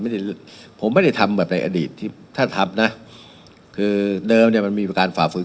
ผมไม่ได้ทำแบบในอดีตที่ถ้าทำนะคือเดิมเนี่ยมันมีประการฝ่าฝืน